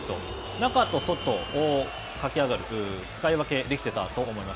中と外を、駆け上がる、使い分けできてたと思います。